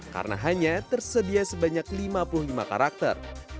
karena hanya tersedia sebanyak lima puluh lima karakter